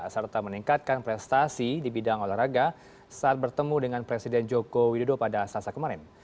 serta meningkatkan prestasi di bidang olahraga saat bertemu dengan presiden joko widodo pada sasa kemarin